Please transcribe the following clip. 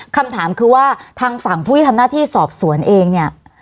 คำถามคือว่าทางฝั่งผู้ที่ทำหน้าที่สอบสวนเองเนี่ย